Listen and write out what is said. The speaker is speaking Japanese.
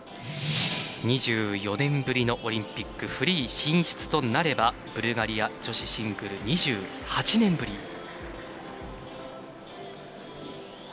２４年ぶりのオリンピックフリー進出となればブルガリア女子シングル２８年ぶり。